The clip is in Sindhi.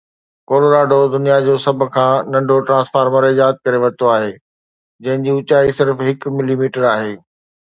ڪولوراڊو دنيا جو سڀ کان ننڍو ٽرانسفارمر ايجاد ڪري ورتو آهي جنهن جي اوچائي صرف هڪ ملي ميٽر آهي